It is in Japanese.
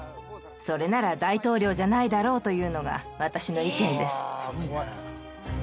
それなら大統領じゃないだろうというのが私の意見です。